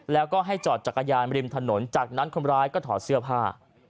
แล้วก็ให้จอดจักรยานริมถนนจากนั้นคนร้ายก็ถอดเสื้อผ้า